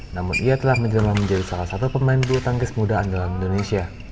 namun ia telah menjelang menjadi salah satu pemain bulu tangkis muda andalan indonesia